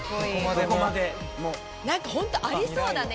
何か本当ありそうだね